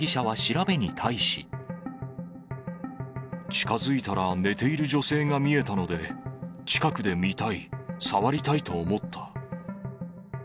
近づいたら寝ている女性が見えたので、近くで見たい、触りたいと思った。